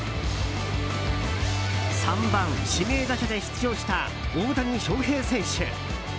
３番指名打者で出場した大谷翔平選手。